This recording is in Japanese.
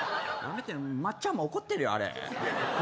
松ちゃんも怒ってるよ、あれ。